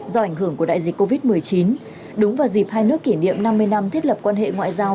do ảnh hưởng của đại dịch covid một mươi chín đúng vào dịp hai nước kỷ niệm năm mươi năm thiết lập quan hệ ngoại giao